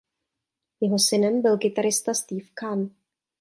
Jeho synem byl kytarista Steve Khan.